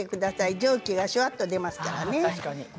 蒸気がしゅわっと出ますからね。